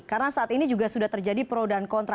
karena saat ini juga sudah terjadi pro dan kontra